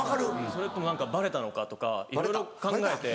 それとも何かバレたのかとかいろいろ考えて。